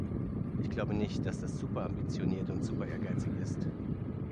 Ich glaube nicht, dass das superambitioniert und superehrgeizig ist.